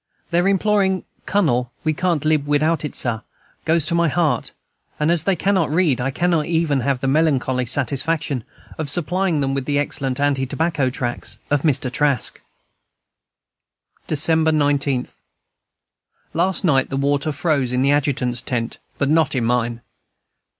Their imploring, "Cunnel, we can't lib widout it, Sah," goes to my heart; and as they cannot read, I cannot even have the melancholy satisfaction of supplying them with the excellent anti tobacco tracts of Mr. Trask. December 19. Last night the water froze in the adjutant's tent, but not in mine.